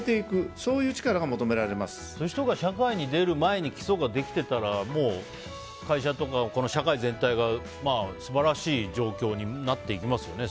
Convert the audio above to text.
そういう人が社会に出る前に基礎ができてたらもう、会社とか社会全体が素晴らしい状況になっていきますよね。